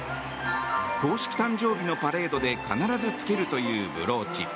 公式誕生日のパレードで必ず着けるというブローチ。